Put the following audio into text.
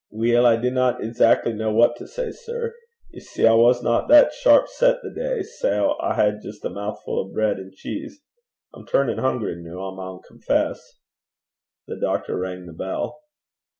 'Weel, I dinna exackly ken what to say, sir. Ye see, I wasna that sharp set the day, sae I had jist a mou'fu' o' breid and cheese. I'm turnin' hungry, noo, I maun confess.' The doctor rang the bell.